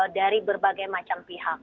dari berbagai macam pihak